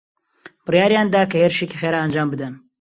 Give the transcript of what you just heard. بڕیاریان دا کە هێرشێکی خێرا ئەنجام بدەن.